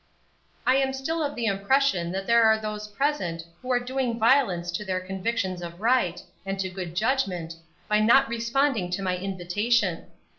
"I am still of the impression that there are those present who are doing violence to their convictions of right, and to good judgment, by not responding to my invitation.